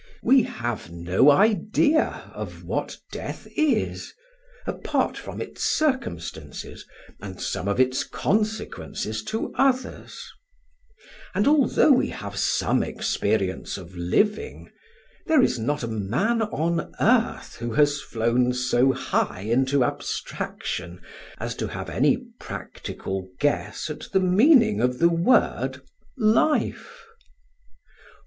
We have no idea of what death is, apart from its circumstances and some of its consequences to others; and although we have some experience of living, there is not a man on earth who has flown so high into abstraction as to have any practical guess at the meaning of the Word life.